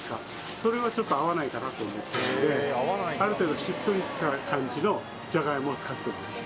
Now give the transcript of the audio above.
それはちょっと合わないかなと思って、ある程度しっとりした感じのジャガイモを使ってます。